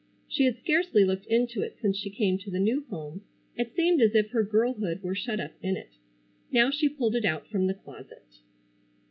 She had scarcely looked into it since she came to the new home. It seemed as if her girlhood were shut up in it. Now she pulled it out from the closet.